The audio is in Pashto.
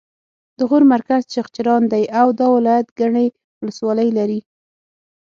د غور مرکز چغچران دی او دا ولایت ګڼې ولسوالۍ لري